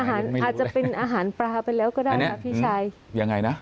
อาจจะเป็นอาหารปลาไปแล้วก็ได้นะพี่ชาย